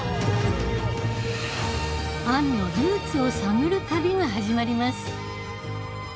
アンのルーツを探る旅が始まります